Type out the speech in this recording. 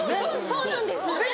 そうなんです！